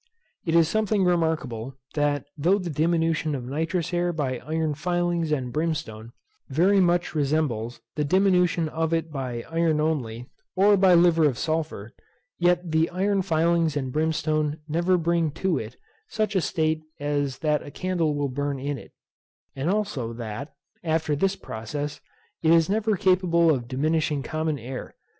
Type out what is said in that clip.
It is something remarkable, that though the diminution of nitrous air by iron filings and brimstone very much resembles the diminution of it by iron only, or by liver of sulphur, yet the iron filings and brimstone never bring it to such a state as that a candle will burn in it; and also that, after this process, it is never capable of diminishing common air.